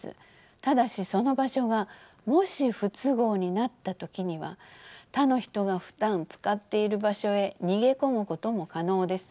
ただしその場所がもし不都合になった時には他の人がふだん使っている場所へ逃げ込むことも可能です。